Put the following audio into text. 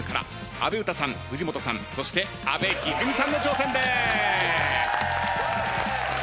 阿部詩さん藤本さんそして阿部一二三さんの挑戦です。